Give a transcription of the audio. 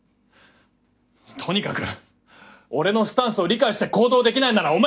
とにかく俺のスタンスを理解して行動できないならお前